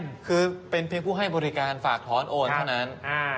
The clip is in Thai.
คือเป็นเพียงผู้ให้บริการฝากถอนโอนเท่านั้น